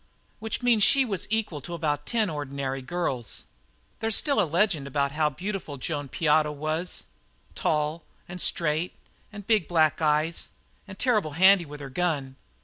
Which means she was equal to about ten ordinary girls. There's still a legend about how beautiful Joan Piotto was tall and straight and big black eyes and terrible handy with her gun.